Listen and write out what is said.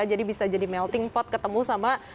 jadi bisa jadi melting pot ketemu sama